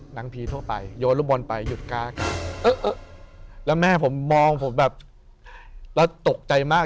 บางทีทั่วไปโยนลูกบอลไปหยุดการ์แล้วแม่ผมมองผมแบบเราตกใจมาก